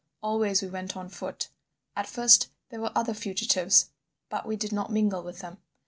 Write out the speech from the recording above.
Always we went on foot. At first there were other fugitives, but we did not mingle with them.